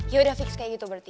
yaudah fix kayak gitu berarti